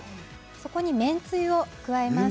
そこに麺つゆを加えます。